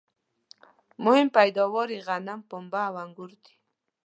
مهم پیداوار یې غنم ، پنبه او انګور دي